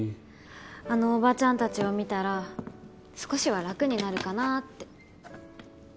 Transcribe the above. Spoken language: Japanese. あのおばちゃんたちを見たら少しは楽になるかなって。